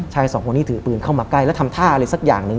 สองคนนี้ถือปืนเข้ามาใกล้แล้วทำท่าอะไรสักอย่างหนึ่ง